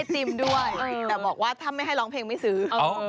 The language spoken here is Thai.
แต่บอกว่าถ้าไม่ให้ร้องเพลงไม่ซื้อ